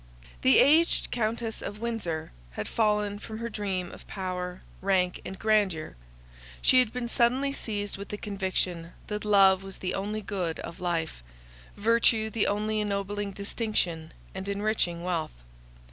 The aged Countess of Windsor had fallen from her dream of power, rank and grandeur; she had been suddenly seized with the conviction, that love was the only good of life, virtue the only ennobling distinction and enriching wealth.